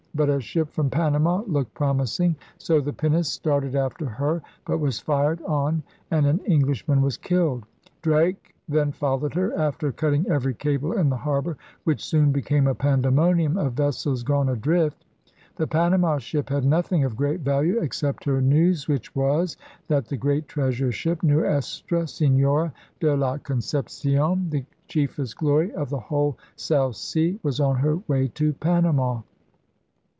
But a ship from Panama looked promising; so the pinnace started after her, but was fired on and an Englishman was killed. Drake then fol lowed her, after cutting every cable in the harbor, which soon became a pandemonium of vessels gone adrift. The Panama ship had nothing of great value except her news, which was that the great treasure ship Nuestra Senora de la Concep cion, *the chief est glory of the whole South Sea,' was on her way to Panama.